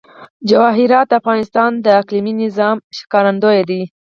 جواهرات د افغانستان د اقلیمي نظام ښکارندوی ده.